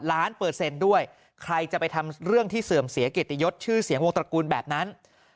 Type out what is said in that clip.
เปอร์เซ็นต์ด้วยใครจะไปทำเรื่องที่เสื่อมเสียเกียรติยศชื่อเสียงวงตระกูลแบบนั้น